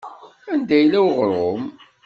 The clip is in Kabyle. Anda yella weɣṛum?